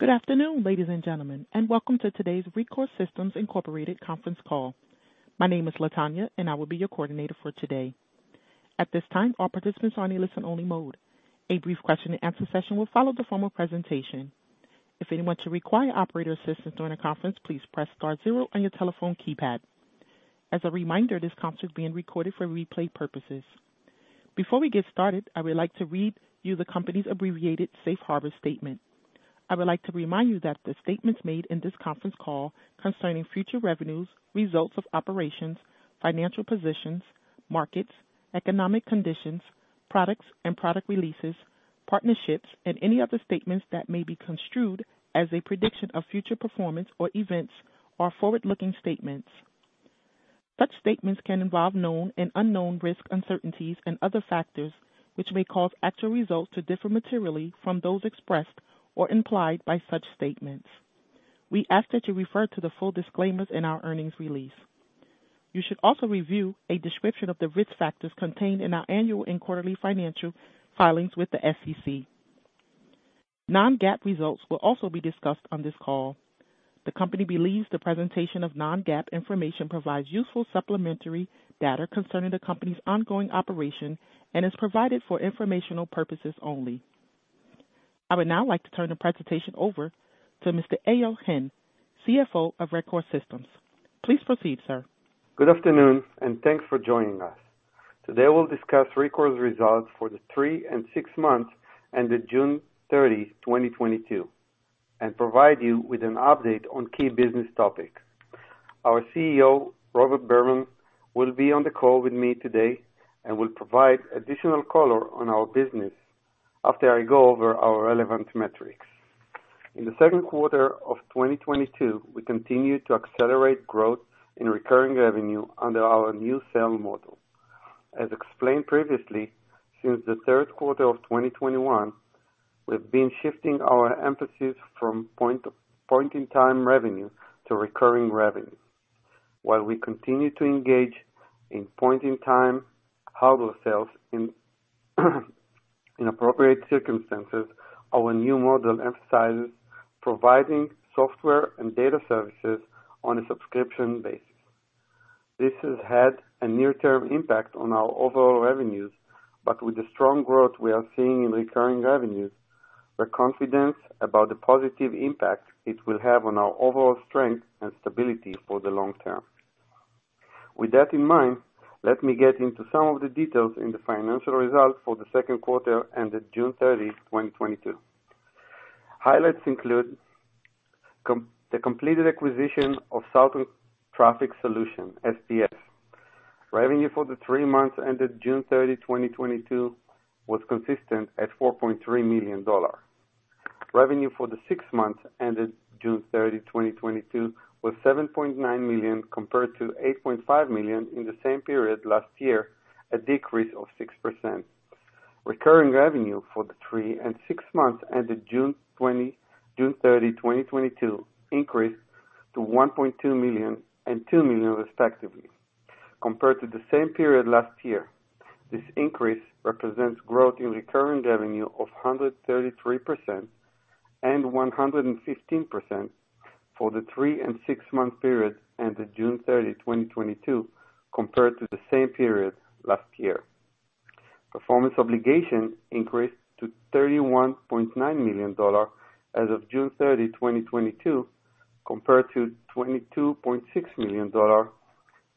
Good afternoon, ladies and gentlemen, and welcome to today's Rekor Systems, Inc. conference call. My name is Latanya, and I will be your coordinator for today. At this time, all participants are in a listen-only mode. A brief question-and-answer session will follow the formal presentation. If anyone should require operator assistance during the conference, please press star zero on your telephone keypad. As a reminder, this conference is being recorded for replay purposes. Before we get started, I would like to read you the company's abbreviated safe harbor statement. I would like to remind you that the statements made in this conference call concerning future revenues, results of operations, financial positions, markets, economic conditions, products and product releases, partnerships, and any other statements that may be construed as a prediction of future performance or events are forward-looking statements. Such statements can involve known and unknown risks, uncertainties and other factors, which may cause actual results to differ materially from those expressed or implied by such statements. We ask that you refer to the full disclaimers in our earnings release. You should also review a description of the risk factors contained in our annual and quarterly financial filings with the SEC. Non-GAAP results will also be discussed on this call. The company believes the presentation of non-GAAP information provides useful supplementary data concerning the company's ongoing operation and is provided for informational purposes only. I would now like to turn the presentation over to Mr. Eyal Hen, CFO of Rekor Systems. Please proceed, sir. Good afternoon, and thanks for joining us. Today, we'll discuss Rekor's results for the three and six months ended June 30, 2022, and provide you with an update on key business topics. Our CEO, Robert Berman, will be on the call with me today and will provide additional color on our business after I go over our relevant metrics. In the Q2 of 2022, we continued to accelerate growth in recurring revenue under our new sales model. As explained previously, since the Q3 of 2021, we've been shifting our emphasis from point-in-time revenue to recurring revenue. While we continue to engage in point-in-time hardware sales in appropriate circumstances, our new model emphasizes providing software and data services on a subscription basis. This has had a near-term impact on our overall revenues, but with the strong growth we are seeing in recurring revenues, we're confident about the positive impact it will have on our overall strength and stability for the long term. With that in mind, let me get into some of the details in the financial results for the Q2 ended June 30, 2022. Highlights include the completed acquisition of Southern Traffic Services, STS. Revenue for the three months ended June 30, 2022 was consistent at $4.3 million. Revenue for the six months ended June 30, 2022 was $7.9 million compared to $8.5 million in the same period last year, a decrease of 6%. Recurring revenue for the three and six months ended June 30, 2022 increased to $1.2 million and $2 million respectively compared to the same period last year. This increase represents growth in recurring revenue of 133% and 115% for the three and six-month periods ended June 30, 2022 compared to the same period last year. Performance obligations increased to $31.9 million as of June 30, 2022, compared to $22.6 million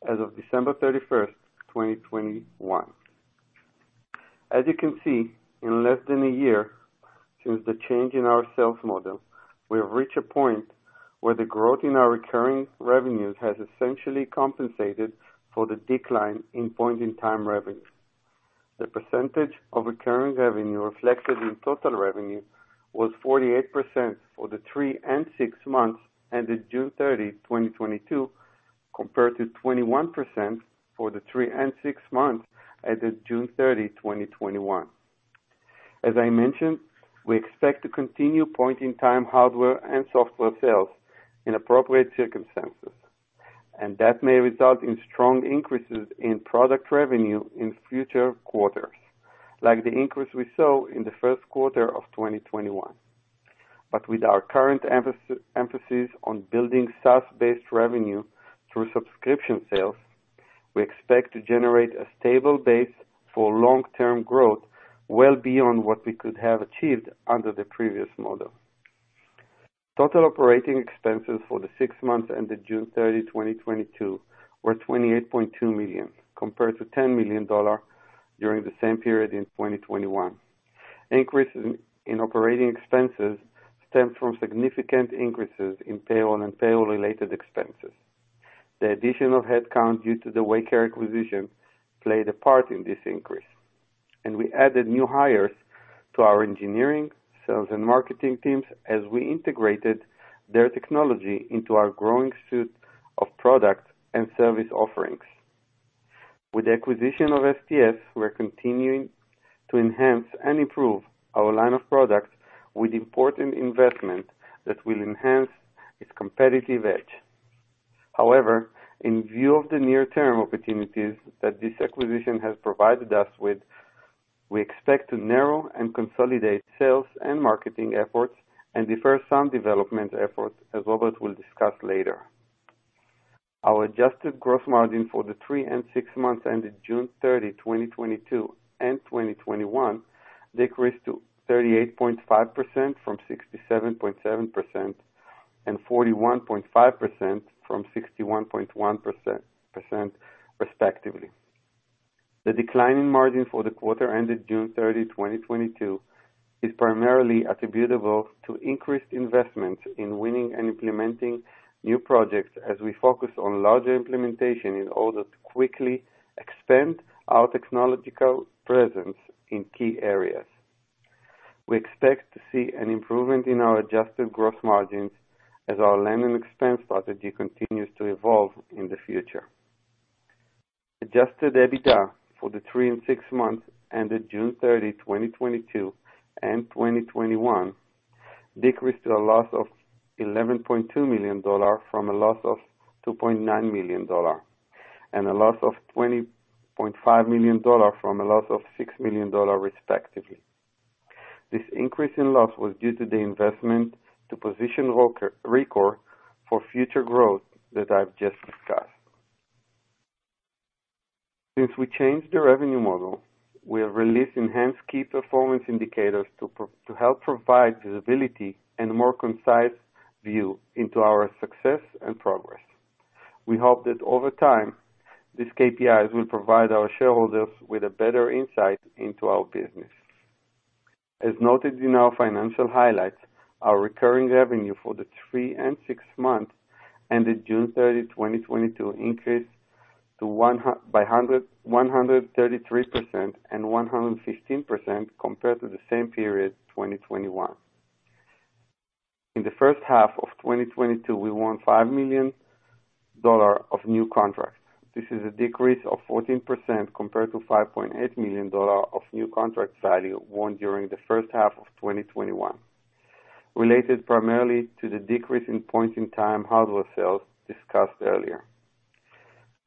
as of December 31, 2021. As you can see, in less than a year since the change in our sales model, we have reached a point where the growth in our recurring revenues has essentially compensated for the decline in point-in-time revenue. The percentage of recurring revenue reflected in total revenue was 48% for the three and six months ended June 30, 2022, compared to 21% for the three and six months ended June 30, 2021. As I mentioned, we expect to continue point-in-time hardware and software sales in appropriate circumstances, and that may result in strong increases in product revenue in future quarters, like the increase we saw in the Q1 of 2021. With our current emphasis on building SaaS-based revenue through subscription sales, we expect to generate a stable base for long-term growth well beyond what we could have achieved under the previous model. Total operating expenses for the six months ended June 30, 2022 were $28.2 million, compared to $10 million during the same period in 2021. Increases in operating expenses stemmed from significant increases in payroll and payroll-related expenses. The addition of headcount due to the Waycare acquisition played a part in this increase, and we added new hires to our engineering, sales, and marketing teams as we integrated their technology into our growing suite of products and service offerings. With the acquisition of STS, we're continuing to enhance and improve our line of products with important investment that will enhance its competitive edge. However, in view of the near-term opportunities that this acquisition has provided us with, we expect to narrow and consolidate sales and marketing efforts and defer some development efforts, as Robert will discuss later. Our adjusted gross margin for the 3 and 6 months ended June 30, 2022 and 2021 decreased to 38.5% from 67.7% and 41.5% from 61.1% respectively. The decline in margin for the quarter ended June 30, 2022 is primarily attributable to increased investments in winning and implementing new projects as we focus on larger implementation in order to quickly expand our technological presence in key areas. We expect to see an improvement in our adjusted gross margins as our land and expand strategy continues to evolve in the future. Adjusted EBITDA for the three and six months ended June 30, 2022 and 2021 decreased to a loss of $11.2 million from a loss of $2.9 million and a loss of $20.5 million from a loss of $6 million respectively. This increase in loss was due to the investment to position Rekor for future growth that I've just discussed. Since we changed the revenue model, we have released enhanced key performance indicators to help provide visibility and more concise view into our success and progress. We hope that over time, these KPIs will provide our shareholders with a better insight into our business. As noted in our financial highlights, our recurring revenue for the three and six months ended June 30, 2022 increased to 133% and 115% compared to the same period, 2021. In the first half of 2022, we won $5 million of new contracts. This is a decrease of 14% compared to $5.8 million of new contract value won during the first half of 2021, related primarily to the decrease in point-in-time hardware sales discussed earlier.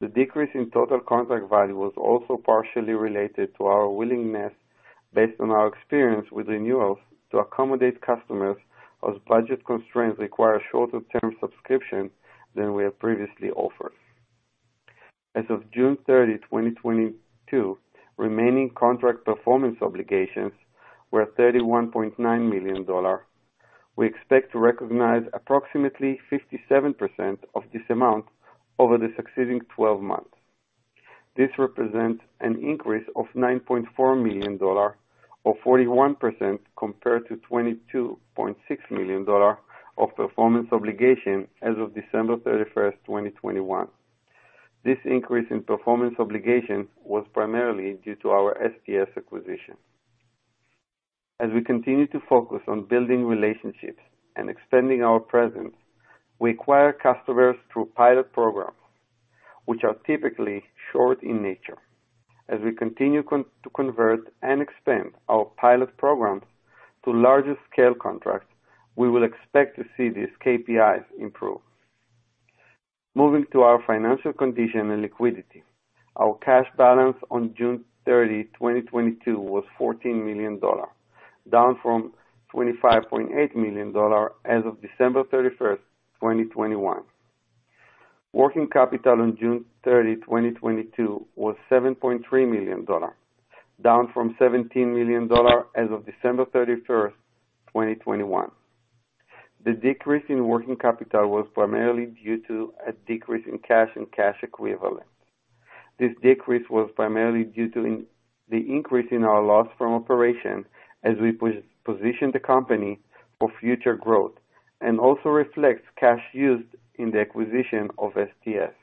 The decrease in total contract value was also partially related to our willingness, based on our experience with renewals, to accommodate customers as budget constraints require shorter term subscription than we have previously offered. As of June 30, 2022, remaining contract performance obligations were $31.9 million. We expect to recognize approximately 57% of this amount over the succeeding twelve months. This represents an increase of $9.4 million or 41% compared to $22.6 million of performance obligation as of December 31, 2021. This increase in performance obligation was primarily due to our STS acquisition. As we continue to focus on building relationships and extending our presence, we acquire customers through pilot programs which are typically short in nature. As we continue to convert and expand our pilot programs to larger scale contracts, we will expect to see these KPIs improve. Moving to our financial condition and liquidity. Our cash balance on June 30, 2022 was $14 million, down from $25.8 million as of December 31, 2021. Working capital on June 30, 2022 was $7.3 million, down from $17 million as of December 31, 2021. The decrease in working capital was primarily due to a decrease in cash and cash equivalents. This decrease was primarily due to the increase in our loss from operations as we position the company for future growth, and also reflects cash used in the acquisition of STS.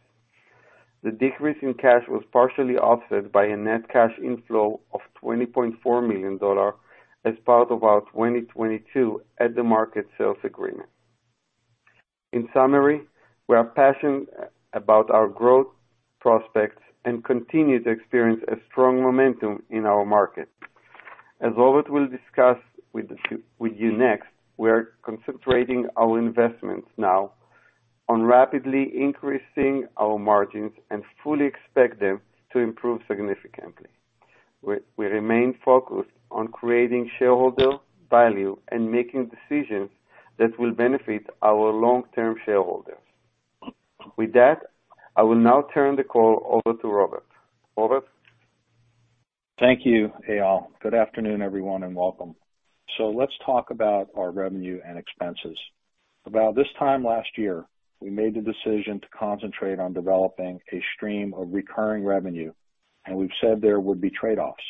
The decrease in cash was partially offset by a net cash inflow of $20.4 million as part of our 2022 at-the-market sales agreement. In summary, we are passionate about our growth prospects and continue to experience a strong momentum in our market. As Robert will discuss with you next, we are concentrating our investments now on rapidly increasing our margins and fully expect them to improve significantly. We remain focused on creating shareholder value and making decisions that will benefit our long-term shareholders. With that, I will now turn the call over to Robert. Robert? Thank you, Eyal. Good afternoon, everyone, and welcome. Let's talk about our revenue and expenses. About this time last year, we made the decision to concentrate on developing a stream of recurring revenue, and we've said there would be trade-offs.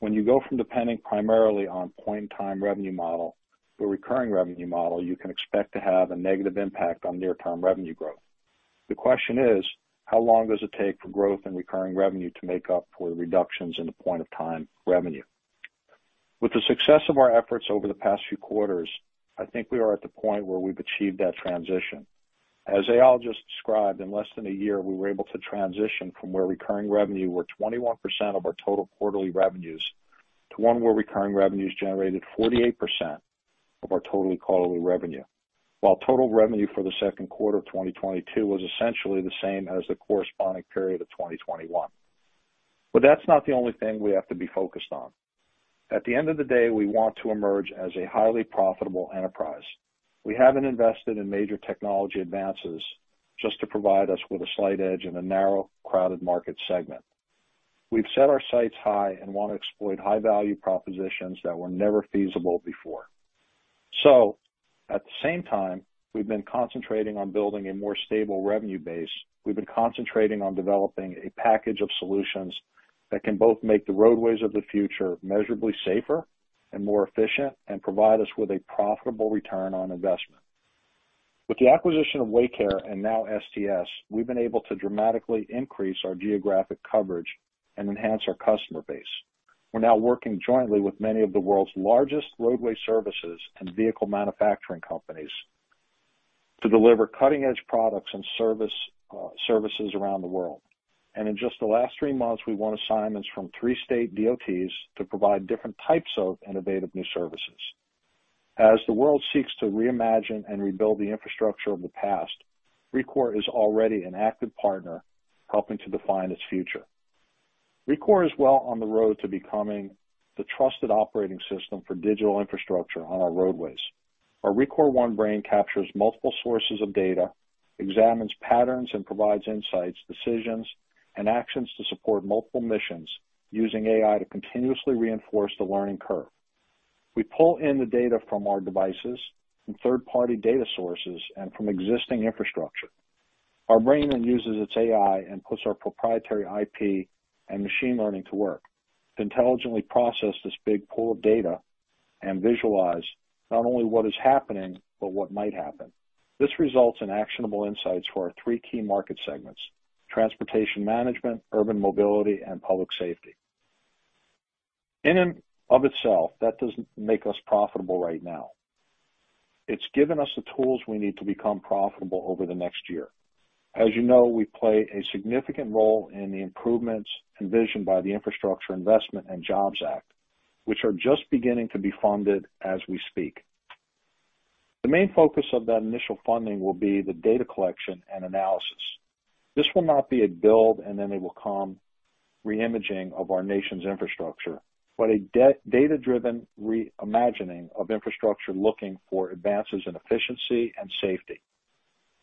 When you go from depending primarily on point-in-time revenue model to a recurring revenue model, you can expect to have a negative impact on near-term revenue growth. The question is, how long does it take for growth and recurring revenue to make up for the reductions in the point-of-time revenue? With the success of our efforts over the past few quarters, I think we are at the point where we've achieved that transition. As Eyal just described, in less than a year, we were able to transition from where recurring revenue were 21% of our total quarterly revenues to one where recurring revenues generated 48% of our total quarterly revenue. While total revenue for the Q2 of 2022 was essentially the same as the corresponding period of 2021. That's not the only thing we have to be focused on. At the end of the day, we want to emerge as a highly profitable enterprise. We haven't invested in major technology advances just to provide us with a slight edge in a narrow, crowded market segment. We've set our sights high and wanna exploit high-value propositions that were never feasible before. At the same time, we've been concentrating on building a more stable revenue base. We've been concentrating on developing a package of solutions that can both make the roadways of the future measurably safer and more efficient and provide us with a profitable return on investment. With the acquisition of Waycare and now STS, we've been able to dramatically increase our geographic coverage and enhance our customer base. We're now working jointly with many of the world's largest roadway services and vehicle manufacturing companies to deliver cutting-edge products and services around the world. In just the last three months, we won assignments from three state DOTs to provide different types of innovative new services. As the world seeks to reimagine and rebuild the infrastructure of the past, Rekor is already an active partner helping to define its future. Rekor is well on the road to becoming the trusted operating system for digital infrastructure on our roadways. Our Rekor One brain captures multiple sources of data, examines patterns, and provides insights, decisions, and actions to support multiple missions using AI to continuously reinforce the learning curve. We pull in the data from our devices and third-party data sources and from existing infrastructure. Our brain then uses its AI and puts our proprietary IP and machine learning to work to intelligently process this big pool of data and visualize not only what is happening, but what might happen. This results in actionable insights for our three key market segments, transportation management, urban mobility, and public safety. In and of itself, that doesn't make us profitable right now. It's given us the tools we need to become profitable over the next year. As you know, we play a significant role in the improvements envisioned by the Infrastructure Investment and Jobs Act, which are just beginning to be funded as we speak. The main focus of that initial funding will be the data collection and analysis. This will not be a build it and they will come reimagining of our nation's infrastructure, but a data driven reimagining of infrastructure looking for advances in efficiency and safety.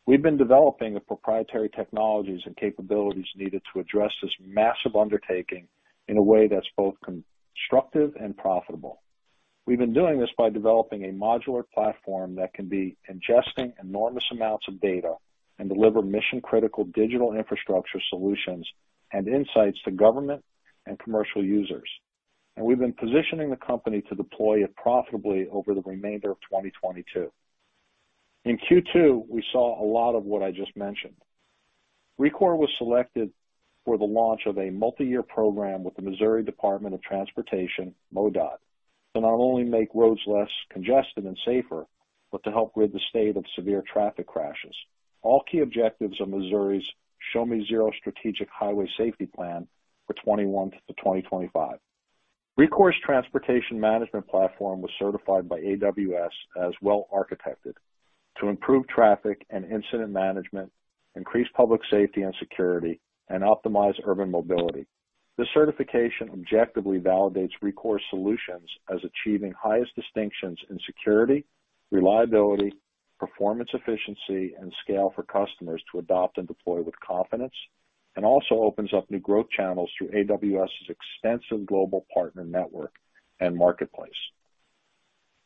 We've been developing the proprietary technologies and capabilities needed to address this massive undertaking in a way that's both constructive and profitable. We've been doing this by developing a modular platform that can be ingesting enormous amounts of data and deliver mission-critical digital infrastructure solutions and insights to government and commercial users. We've been positioning the company to deploy it profitably over the remainder of 2022. In Q2, we saw a lot of what I just mentioned. Rekor was selected for the launch of a multi-year program with the Missouri Department of Transportation, MoDOT, to not only make roads less congested and safer, but to help rid the state of severe traffic crashes. All key objectives of Missouri's Show-Me Zero strategic highway safety plan for 2021 to 2025. Rekor's transportation management platform was certified by AWS as well-architected to improve traffic and incident management, increase public safety and security, and optimize urban mobility. This certification objectively validates Rekor's solutions as achieving highest distinctions in security, reliability, performance efficiency, and scale for customers to adopt and deploy with confidence, and also opens up new growth channels through AWS's extensive global partner network and marketplace.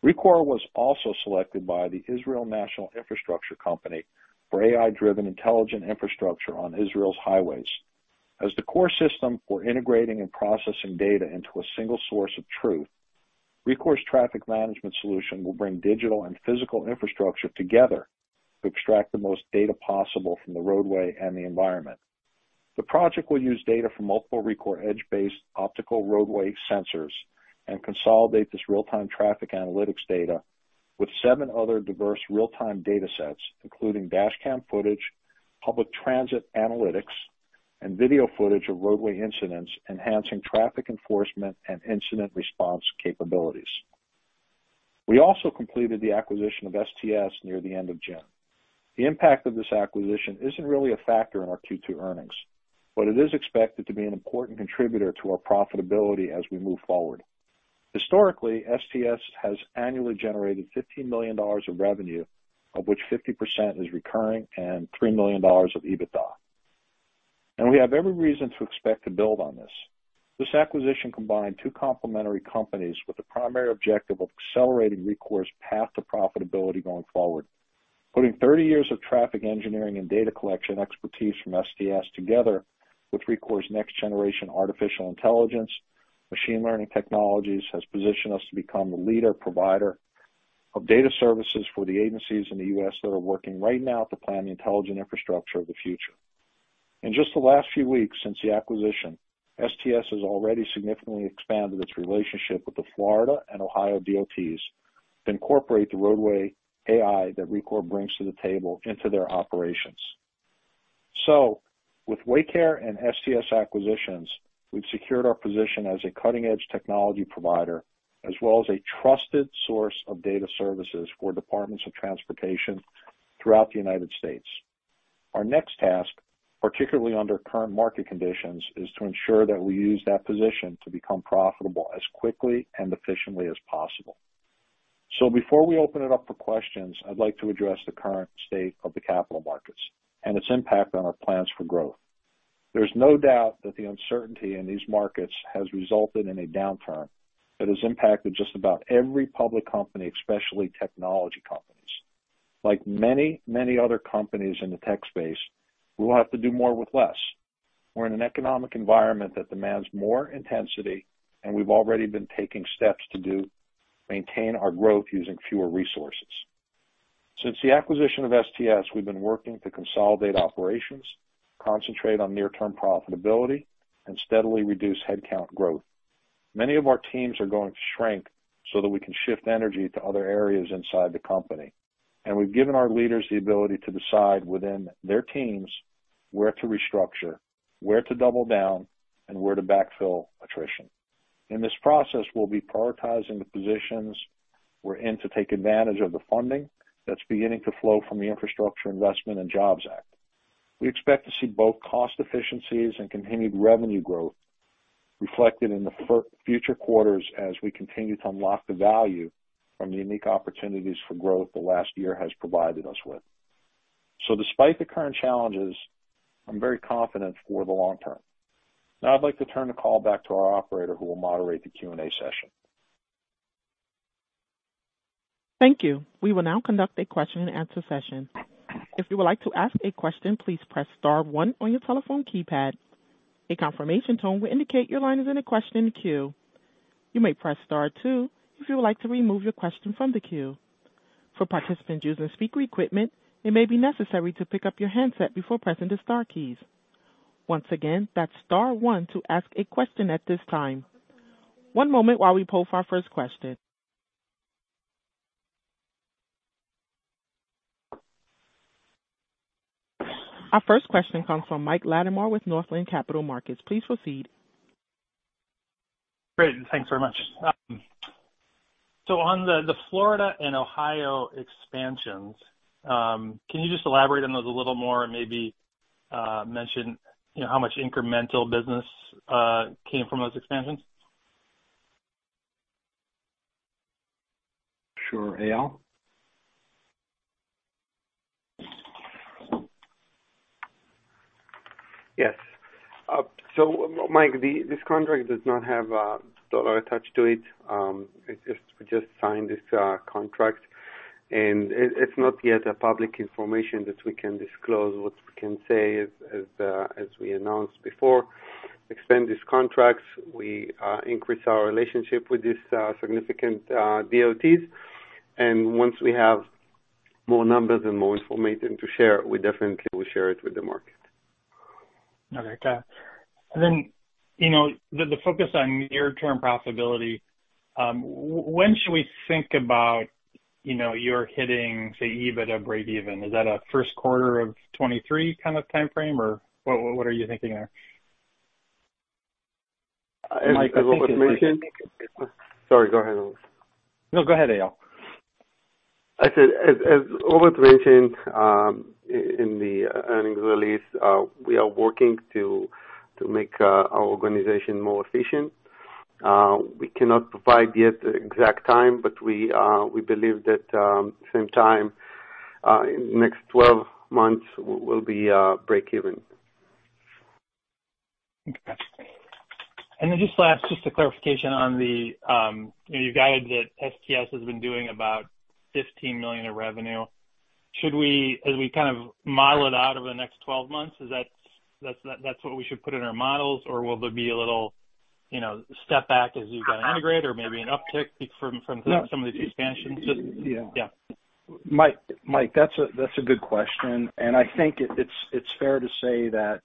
Rekor was also selected by Netivei Israel for AI-driven intelligent infrastructure on Israel's highways. As the core system for integrating and processing data into a single source of truth, Rekor's traffic management solution will bring digital and physical infrastructure together to extract the most data possible from the roadway and the environment. The project will use data from multiple Rekor edge-based optical roadway sensors and consolidate this real-time traffic analytics data with seven other diverse real-time datasets, including dashcam footage, public transit analytics, and video footage of roadway incidents, enhancing traffic enforcement and incident response capabilities. We also completed the acquisition of STS near the end of June. The impact of this acquisition isn't really a factor in our Q2 earnings, but it is expected to be an important contributor to our profitability as we move forward. Historically, STS has annually generated $15 million of revenue, of which 50% is recurring and $3 million of EBITDA. We have every reason to expect to build on this. This acquisition combined two complementary companies with the primary objective of accelerating Rekor's path to profitability going forward. Putting 30 years of traffic engineering and data collection expertise from STS together with Rekor's next-generation artificial intelligence, machine learning technologies has positioned us to become the leading provider of data services for the agencies in the U.S. that are working right now to plan the intelligent infrastructure of the future. In just the last few weeks since the acquisition, STS has already significantly expanded its relationship with the Florida and Ohio DOTs to incorporate the roadway AI that Rekor brings to the table into their operations. With Waycare and STS acquisitions, we've secured our position as a cutting-edge technology provider as well as a trusted source of data services for departments of transportation throughout the United States. Our next task, particularly under current market conditions, is to ensure that we use that position to become profitable as quickly and efficiently as possible. Before we open it up for questions, I'd like to address the current state of the capital markets and its impact on our plans for growth. There's no doubt that the uncertainty in these markets has resulted in a downturn that has impacted just about every public company, especially technology companies. Like many, many other companies in the tech space, we'll have to do more with less. We're in an economic environment that demands more intensity, and we've already been taking steps to maintain our growth using fewer resources. Since the acquisition of STS, we've been working to consolidate operations, concentrate on near term profitability, and steadily reduce headcount growth. Many of our teams are going to shrink so that we can shift energy to other areas inside the company. We've given our leaders the ability to decide within their teams where to restructure, where to double down, and where to backfill attrition. In this process, we'll be prioritizing the positions we're in to take advantage of the funding that's beginning to flow from the Infrastructure Investment and Jobs Act. We expect to see both cost efficiencies and continued revenue growth reflected in the future quarters as we continue to unlock the value from the unique opportunities for growth the last year has provided us with. Despite the current challenges, I'm very confident for the long term. Now I'd like to turn the call back to our operator, who will moderate the Q&A session. Thank you. We will now conduct a question-and-answer session. If you would like to ask a question, please press star one on your telephone keypad. A confirmation tone will indicate your line is in a question queue. You may press star two if you would like to remove your question from the queue. For participants using speaker equipment, it may be necessary to pick up your handset before pressing the star keys. Once again, that's star one to ask a question at this time. One moment while we poll for our first question. Our first question comes from Michael Latimore with Northland Capital Markets. Please proceed. Great, thanks very much. On the Florida and Ohio expansions, can you just elaborate on those a little more and maybe mention, how much incremental business came from those expansions? Sure. Eyal? Yes. So Mike, this contract does not have a dollar attached to it. We just signed this contract, and it's not yet public information that we can disclose. What we can say is, as we announced before, extend these contracts, we increase our relationship with these significant DOTs. Once we have more numbers and more information to share, we definitely will share it with the market. You know, the focus on near-term profitability, when should we think about, you're hitting, say, EBITDA breakeven? Is that a Q1 of 2023 kind of timeframe, or what are you thinking there? Mike, I think it was mentioned. Sorry, go ahead, Robert Berman. No, go ahead, Eyal. I said, as Robert Berman mentioned, in the earnings release, we are working to make our organization more efficient. We cannot provide yet the exact time, but we believe that sometime in the next 12 months we'll be breakeven. Okay. Just a clarification on the, you guided that STS has been doing about $15 million in revenue. As we kind of model it out over the next 12 months, is that's what we should put in our models, or will there be a little, step back as you've got to integrate or maybe an uptick from some of the expansions? Yeah. Yeah. Mike, that's a good question. I think it's fair to say that...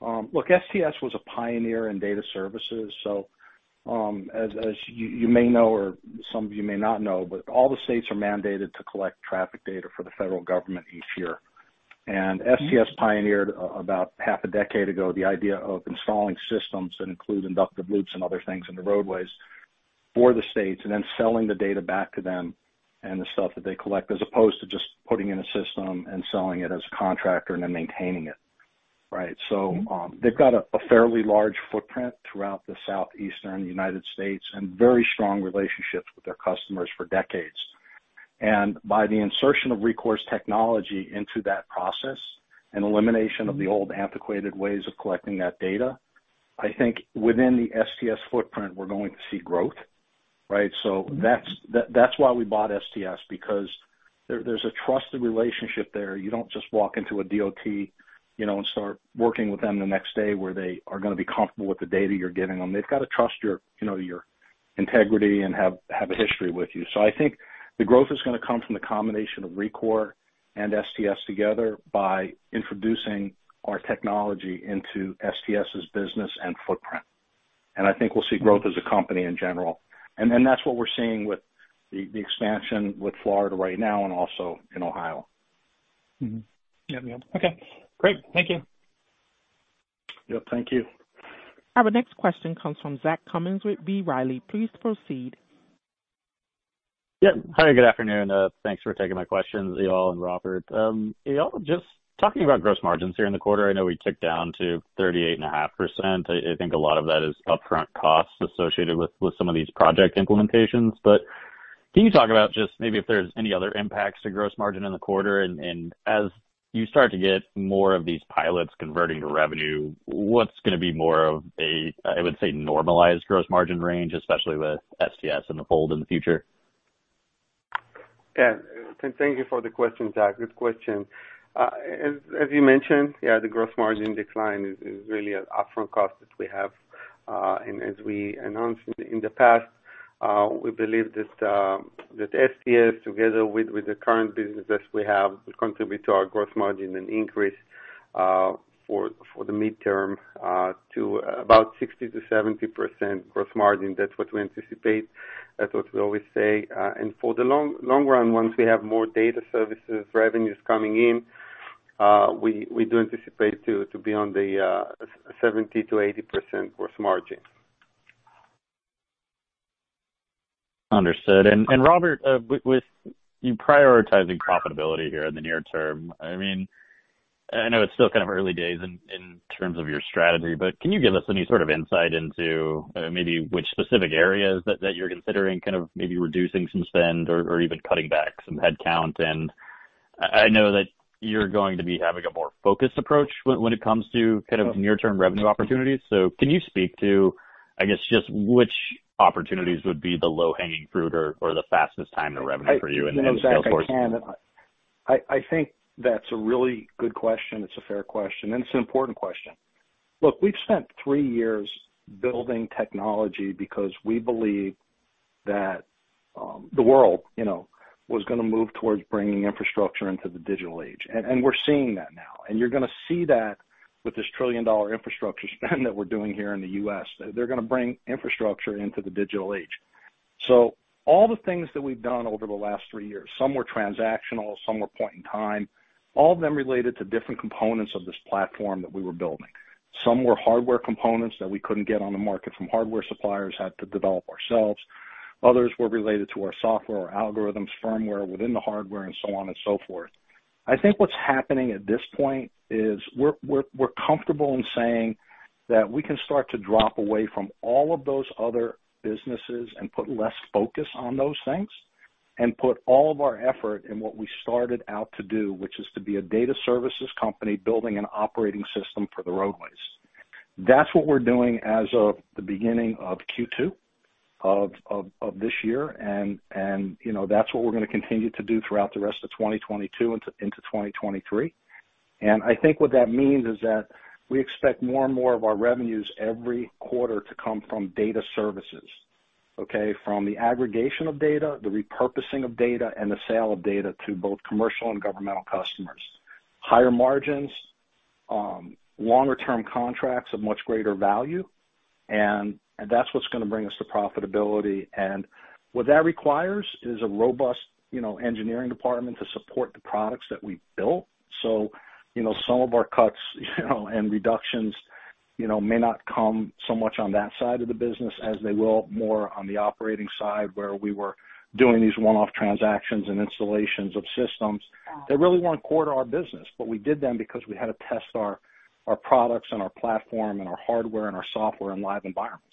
Look, STS was a pioneer in data services. As you may know or some of you may not know, but all the states are mandated to collect traffic data for the federal government each year. STS pioneered about half a decade ago the idea of installing systems that include inductive loops and other things in the roadways for the states, and then selling the data back to them and the stuff that they collect, as opposed to just putting in a system and selling it as a contractor and then maintaining it, right? They've got a fairly large footprint throughout the Southeastern United States and very strong relationships with their customers for decades. By the insertion of Rekor's technology into that process and elimination of the old antiquated ways of collecting that data, I think within the STS footprint, we're going to see growth, right? So that's why we bought STS, because there's a trusted relationship there. You don't just walk into a DOT and start working with them the next day, where they are gonna be comfortable with the data you're giving them. They've got to trust your integrity and have a history with you. So I think the growth is gonna come from the combination of Rekor and STS together by introducing our technology into STS's business and footprint. I think we'll see growth as a company in general. And that's what we're seeing with the expansion with Florida right now and also in Ohio. Mm-hmm. Yep. Yep. Okay, great. Thank you. Yep. Thank you. Our next question comes from Zach Cummins with B. Riley. Please proceed. Yeah. Hi, good afternoon. Thanks for taking my questions, Eyal and Robert. Eyal, just talking about gross margins here in the quarter, I know we ticked down to 38.5%. I think a lot of that is upfront costs associated with some of these project implementations. Can you talk about just maybe if there's any other impacts to gross margin in the quarter? As you start to get more of these pilots converting to revenue, what's gonna be more of a, I would say, normalized gross margin range, especially with STS in the fold in the future? Yeah. Thank you for the question, Zach. Good question. As you mentioned, yeah, the gross margin decline is really an upfront cost that we have. As we announced in the past, we believe that STS, together with the current businesses we have, will contribute to our gross margin an increase, for the midterm, to about 60%-70% gross margin. That's what we anticipate. That's what we always say. For the long run, once we have more data services revenues coming in, we do anticipate to be on the 70%-80% gross margin. Understood. Robert, with you prioritizing profitability here in the near term, I mean, I know it's still kind of early days in terms of your strategy, but can you give us any sort of insight into maybe which specific areas that you're considering kind of maybe reducing some spend or even cutting back some headcount? I know that you're going to be having a more focused approach when it comes to kind of near-term revenue opportunities. Can you speak to, I guess, just which opportunities would be the low-hanging fruit or the fastest time to revenue for you and Salesforce? You know, Zach, I can. I think that's a really good question. It's a fair question, and it's an important question. Look, we've spent three years building technology because we believe that the world, was gonna move towards bringing infrastructure into the digital age. We're seeing that now. You're gonna see that with this $1 trillion infrastructure spend that we're doing here in the U.S. They're gonna bring infrastructure into the digital age. All the things that we've done over the last three years, some were transactional, some were point in time, all of them related to different components of this platform that we were building. Some were hardware components that we couldn't get on the market from hardware suppliers, had to develop ourselves. Others were related to our software, our algorithms, firmware within the hardware and so on and so forth. I think what's happening at this point is we're comfortable in saying that we can start to drop away from all of those other businesses and put less focus on those things and put all of our effort in what we started out to do, which is to be a data services company building an operating system for the roadways. That's what we're doing as of the beginning of Q2 of this year. You know, that's what we're gonna continue to do throughout the rest of 2022 into 2023. I think what that means is that we expect more and more of our revenues every quarter to come from data services, okay? From the aggregation of data, the repurposing of data, and the sale of data to both commercial and governmental customers. Higher margins, longer-term contracts of much greater value. That's what's gonna bring us to profitability. What that requires is a robust, engineering department to support the products that we built. You know, some of our cuts, and reductions, may not come so much on that side of the business as they will more on the operating side, where we were doing these one-off transactions and installations of systems that really weren't core to our business. We did them because we had to test our products and our platform and our hardware and our software in live environments,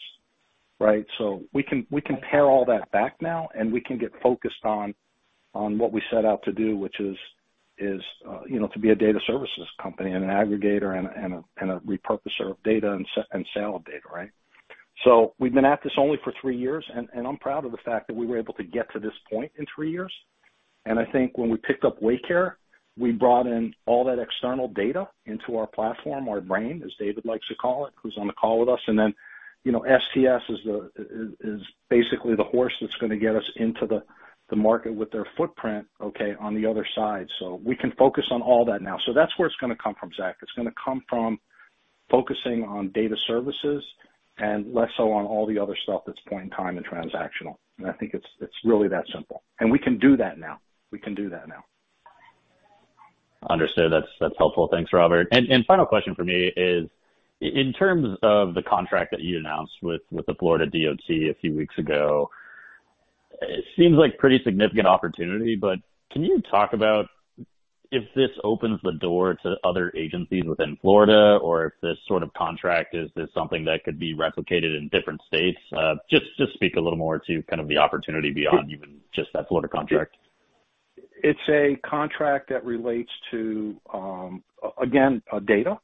right? We can pare all that back now, and we can get focused on what we set out to do, which is, to be a data services company and an aggregator and a repurposer of data and sale of data, right? We've been at this only for three years, and I'm proud of the fact that we were able to get to this point in three years. I think when we picked up Waycare, we brought in all that external data into our platform, our brain, as David likes to call it, who's on the call with us. Then, STS is basically the horse that's gonna get us into the market with their footprint, okay, on the other side. We can focus on all that now. That's where it's gonna come from, Zach. It's gonna come from focusing on data services and less so on all the other stuff that's point in time and transactional. I think it's really that simple. We can do that now. Understood. That's helpful. Thanks, Robert. Final question for me is in terms of the contract that you announced with the Florida DOT a few weeks ago. It seems like pretty significant opportunity, but can you talk about if this opens the door to other agencies within Florida or is this sort of contract something that could be replicated in different states? Just speak a little more to kind of the opportunity beyond even just that Florida contract. It's a contract that relates to again data,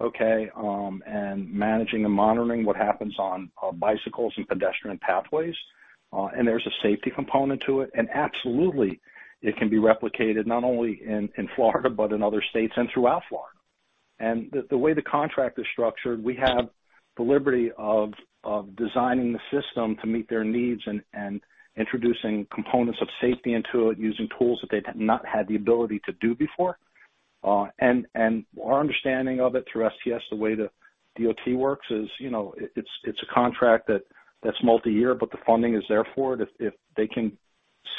okay, and managing and monitoring what happens on bicycles and pedestrian pathways. There's a safety component to it. Absolutely, it can be replicated not only in Florida, but in other states and throughout Florida. The way the contract is structured, we have the liberty of designing the system to meet their needs and introducing components of safety into it using tools that they had not had the ability to do before. Our understanding of it through STS, the way the DOT works is, it's a contract that's multi-year, but the funding is there for it. If they can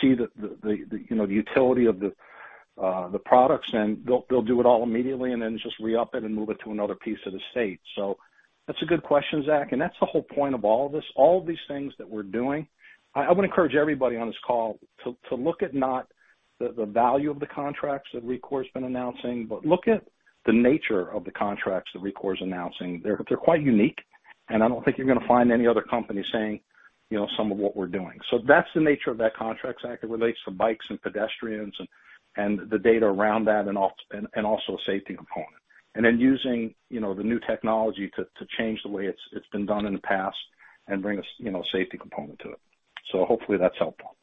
see you know the utility of the products, then they'll do it all immediately and then just re-up it and move it to another piece of the state. That's a good question, Zach, and that's the whole point of all this, all these things that we're doing. I would encourage everybody on this call to look at not the value of the contracts that Rekor has been announcing, but look at the nature of the contracts that Rekor is announcing. They're quite unique, and I don't think you're gonna find any other company saying some of what we're doing. That's the nature of that contract, Zach. It relates to bikes and pedestrians and the data around that and also a safety component. Using, the new technology to change the way it's been done in the past and bring a safety component to it. Hopefully that's helpful.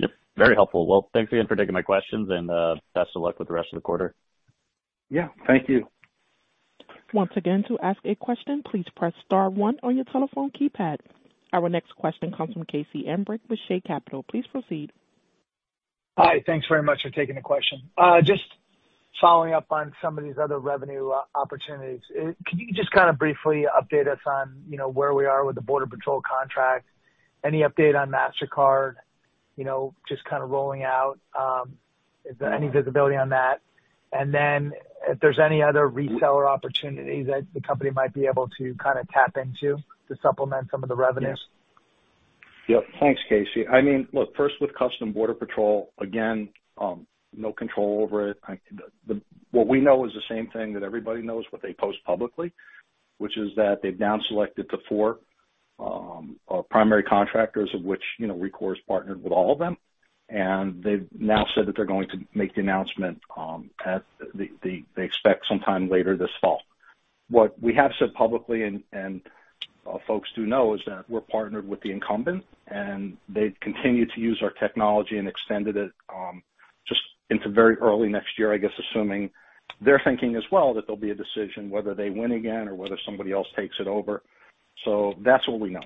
Yep, very helpful. Well, thanks again for taking my questions, and best of luck with the rest of the quarter. Yeah. Thank you. Once again, to ask a question, please press star one on your telephone keypad. Our next question comes from Casey Embrey with C.K. Embrey Capital Please proceed. Hi. Thanks very much for taking the question. Just following up on some of these other revenue opportunities. Can you just kind of briefly update us on, where we are with the Border Patrol contract? Any update on Mastercard? You know, just kind of rolling out, is there any visibility on that? If there's any other reseller opportunities that the company might be able to kind of tap into to supplement some of the revenues? Yeah. Yep. Thanks, Casey. I mean, look, first with U.S. Customs and Border Protection, again, no control over it. What we know is the same thing that everybody knows, what they post publicly, which is that they've now selected the four primary contractors, of which, Rekor is partnered with all of them. They've now said that they're going to make the announcement. They expect sometime later this fall. What we have said publicly, folks do know, is that we're partnered with the incumbent, and they've continued to use our technology and extended it just into very early next year, I guess, assuming they're thinking as well that there'll be a decision whether they win again or whether somebody else takes it over. That's all we know,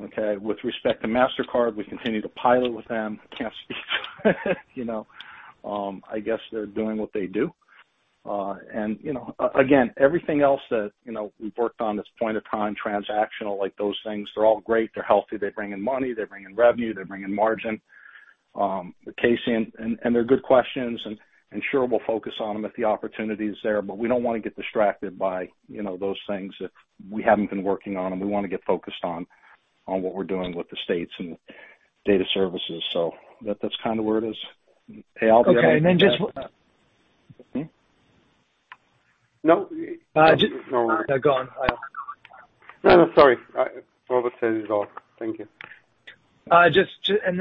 okay? With respect to Mastercard, we continue to pilot with them. Can't speak to, I guess they're doing what they do. And, again, everything else that, we've worked on this point of time, transactional, like those things, they're all great. They're healthy. They bring in money. They bring in revenue. They bring in margin. But Casey, and they're good questions and sure we'll focus on them if the opportunity is there, but we don't wanna get distracted by, those things if we haven't been working on them. We wanna get focused on what we're doing with the states and data services. So that's kind of where it is. Hey, Alberto. Okay. Hmm? No. Uh, ju- No. Go on. No, no, sorry. Robert Berman says it's all. Thank you.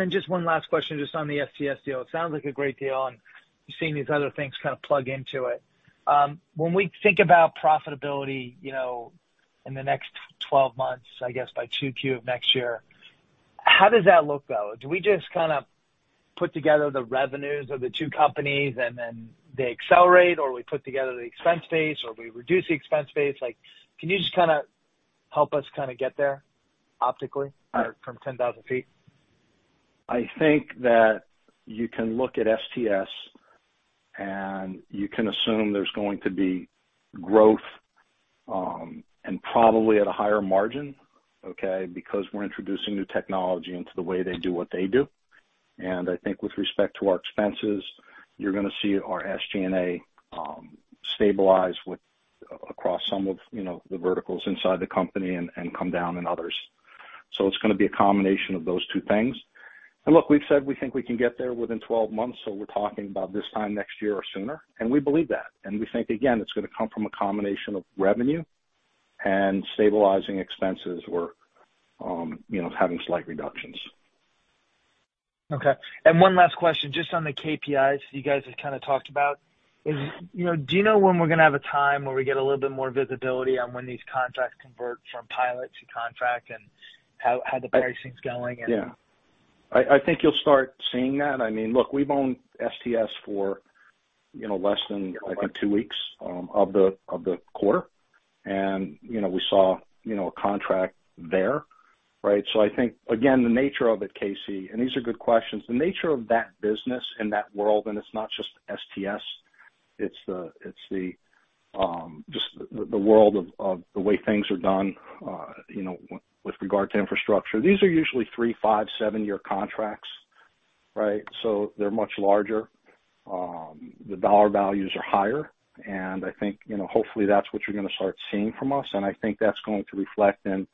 Just one last question, just on the STS deal. It sounds like a great deal and seeing these other things kind of plug into it. When we think about profitability, you know, in the next 12 months, I guess by 2Q of next year, how does that look, though? Do we just kind of put together the revenues of the two companies and then they accelerate, or we put together the expense base or we reduce the expense base? Like, can you just kinda help us kinda get there optically or from 10,000 feet? I think that you can look at STS and you can assume there's going to be growth, and probably at a higher margin, okay? Because we're introducing new technology into the way they do what they do. I think with respect to our expenses, you're gonna see our SG&A stabilize across some of, the verticals inside the company and come down in others. It's gonna be a combination of those two things. Look, we've said we think we can get there within 12 months, so we're talking about this time next year or sooner. We believe that. We think, again, it's gonna come from a combination of revenue and stabilizing expenses or, having slight reductions. Okay. One last question, just on the KPIs you guys have kind of talked about. Is, do when we're gonna have a time where we get a little bit more visibility on when these contracts convert from pilot to contract and how the pricing's going and? Yeah. I think you'll start seeing that. I mean, look, we've owned STS for, less than, I think, 2 weeks of the quarter. You know, we saw, a contract there, right? I think, again, the nature of it, Casey, and these are good questions. The nature of that business and that world, and it's not just STS, it's the just the world of the way things are done, with regard to infrastructure. These are usually 3, 5, 7-year contracts, right? They're much larger. The dollar values are higher. I think, hopefully that's what you're gonna start seeing from us. I think that's going to reflect in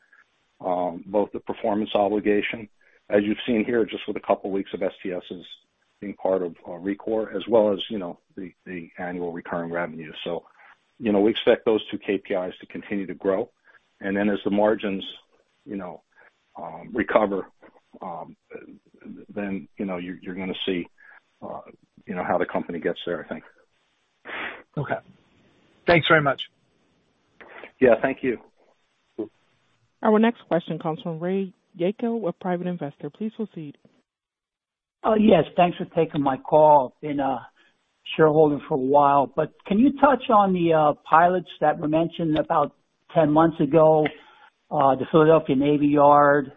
both the performance obligation, as you've seen here just with a couple of weeks of STS as being part of Rekor, as well as, the annual recurring revenue. You know, we expect those two KPIs to continue to grow. As the margins, recover, then, you're gonna see, how the company gets there, I think. Okay. Thanks very much. Yeah, thank you. Our next question comes from Ray Dirado, a Private Investor. Please proceed. Yes. Thanks for taking my call. Been a shareholder for a while, but can you touch on the pilots that were mentioned about 10 months ago? The Philadelphia Navy Yard,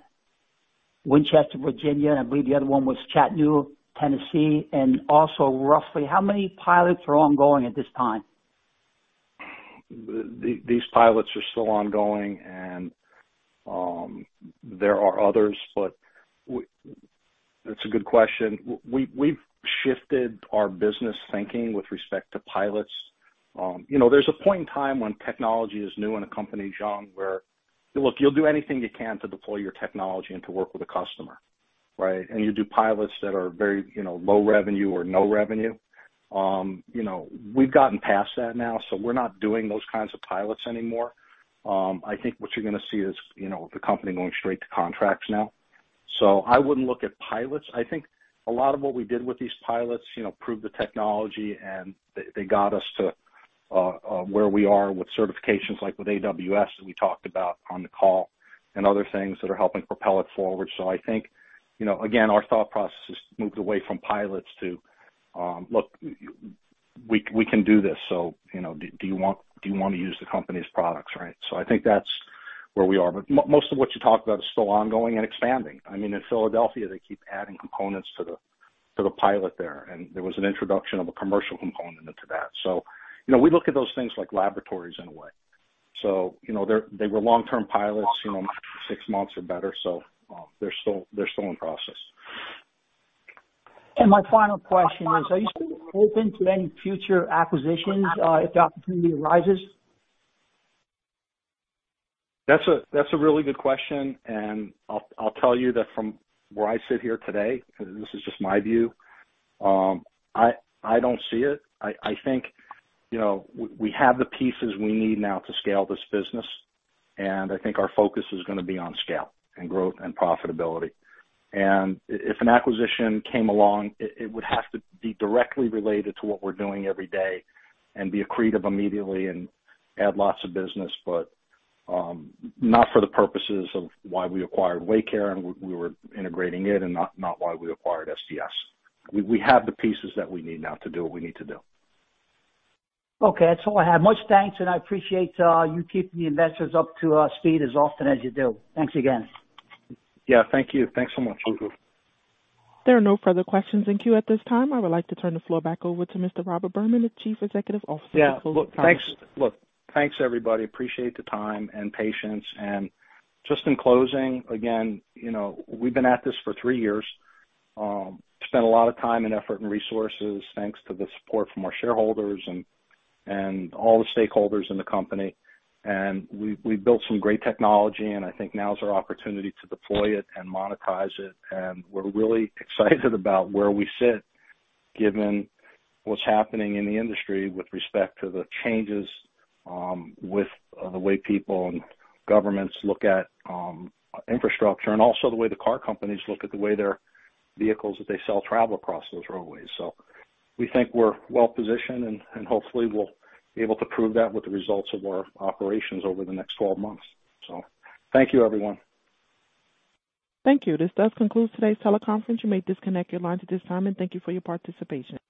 Winchester, Virginia. I believe the other one was Chattanooga, Tennessee. Also, roughly how many pilots are ongoing at this time? These pilots are still ongoing, and there are others, but that's a good question. We've shifted our business thinking with respect to pilots. You know, there's a point in time when technology is new and a company's young where, look, you'll do anything you can to deploy your technology and to work with a customer, right? You do pilots that are very, low revenue or no revenue. You know, we've gotten past that now, so we're not doing those kinds of pilots anymore. I think what you're gonna see is, the company going straight to contracts now. I wouldn't look at pilots. I think a lot of what we did with these pilots, you know, proved the technology, and they got us to where we are with certifications like with AWS that we talked about on the call and other things that are helping propel it forward. I think, again, our thought process has moved away from pilots to look, we can do this, so, do you wanna use the company's products, right? I think that's where we are. Most of what you talked about is still ongoing and expanding. I mean, in Philadelphia, they keep adding components to the pilot there, and there was an introduction of a commercial component into that. You know, we look at those things like laboratories in a way. You know, they were long-term pilots, six months or better. They're still in process. My final question is, are you still open to any future acquisitions, if the opportunity arises? That's a really good question, and I'll tell you that from where I sit here today, this is just my view, I don't see it. I think, we have the pieces we need now to scale this business, and I think our focus is gonna be on scale and growth and profitability. If an acquisition came along, it would have to be directly related to what we're doing every day and be accretive immediately and add lots of business, but not for the purposes of why we acquired Waycare, and we were integrating it and not why we acquired STS. We have the pieces that we need now to do what we need to do. Okay. That's all I have. Much thanks, and I appreciate you keeping the investors up to speed as often as you do. Thanks again. Yeah. Thank you. Thanks so much. There are no further questions in queue at this time. I would like to turn the floor back over to Mr. Robert Berman, the Chief Executive Officer. Yeah. Look, thanks, everybody. Appreciate the time and patience. Just in closing, again, we've been at this for three years, spent a lot of time and effort and resources thanks to the support from our shareholders and all the stakeholders in the company. We built some great technology, and I think now is our opportunity to deploy it and monetize it. We're really excited about where we sit given what's happening in the industry with respect to the changes with the way people and governments look at infrastructure and also the way the car companies look at the way their vehicles that they sell travel across those roadways. We think we're well-positioned, and hopefully we'll be able to prove that with the results of our operations over the next 12 months. Thank you, everyone. Thank you. This does conclude today's teleconference. You may disconnect your lines at this time. Thank you for your participation.